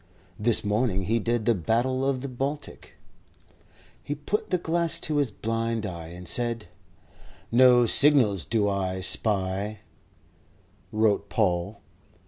This morning he did the Battle of the Baltic. He put the glass to his blind eye, And said "No signals do I spy," wrote Paul.